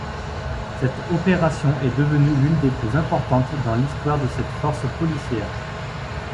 Cette opération est devenue l'une des plus importantes dans l'histoire de cette force policière.